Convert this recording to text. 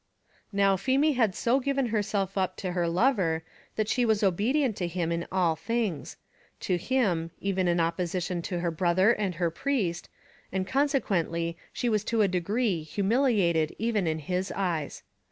Now Feemy had so given herself up to her lover, that she was obedient to him in all things; to him, even in opposition to her brother or her priest, and consequently she was to a degree humiliated even in his eyes.